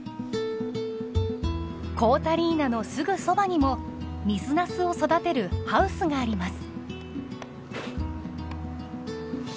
こーたりなのすぐそばにも水ナスを育てるハウスがあります。